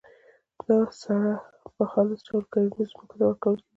دا سره په خالص ډول کرنیزو ځمکو ته ورکول کیږي.